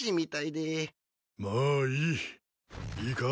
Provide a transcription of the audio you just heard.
まあいい。いいか？